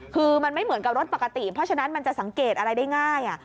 คือมันไม่เหมือนกับรถปกติเพราะฉะนั้นมันจะสังเกตอะไรได้ง่าย